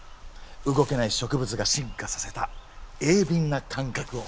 動けない植物が進化させた鋭敏な感覚を。